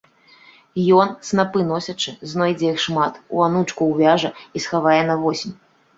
Ён, снапы носячы, знойдзе іх шмат, у анучку ўвяжа і схавае на восень.